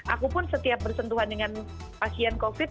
aku pun setiap bersentuhan dengan pasien covid